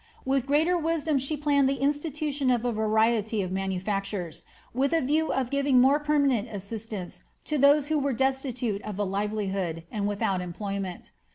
With greater wisdom she planned the institution of a variety of manufactures, with a view of giving more permanent assistance to those who were destitute of a livelihood, and without employment.